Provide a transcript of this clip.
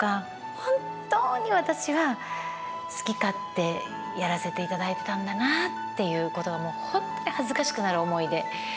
本当に私が好き勝手やらせていただいてたんだなということが本当に恥ずかしくなる思い出。